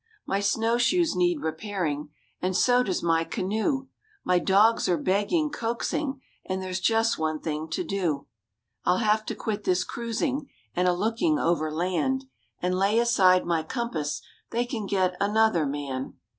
My snow shoes need repairing, And so does my canoe; My dogs are begging, coaxing, And there's just one thing to do. I'll have to quit this cruising, And a looking over land, And lay aside my compass, They can get another man.